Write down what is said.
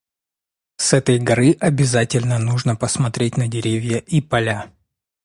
С этой горы обязательно нужно посмотреть на деревья и поля.